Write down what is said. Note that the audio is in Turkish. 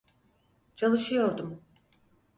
Çalışıyordum.